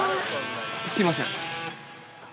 ◆すいません。